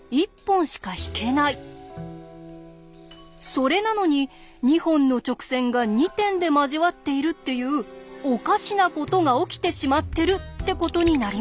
それなのに２本の直線が２点で交わっているっていうおかしなことが起きてしまってるってことになります。